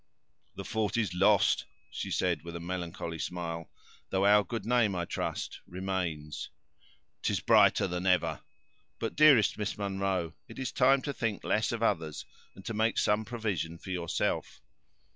"The fort is lost," she said, with a melancholy smile; "though our good name, I trust, remains." "'Tis brighter than ever. But, dearest Miss Munro, it is time to think less of others, and to make some provision for yourself.